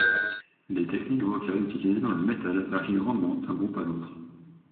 Les techniques vocales utilisées dans le metal varient grandement d'un groupe à l'autre.